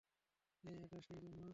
এই, এটা সেই রুম না?